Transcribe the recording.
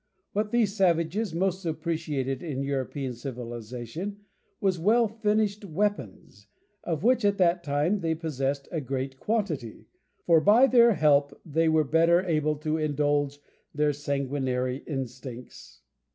What these savages most appreciated in European civilization was well finished weapons of which at that time they possessed a great quantity for by their help they were the better able to indulge their sanguinary instincts.